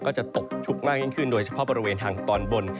ก็จะตกชุกมากยิ่งขึ้นโดยเฉพาะบริเวณทางตอนบน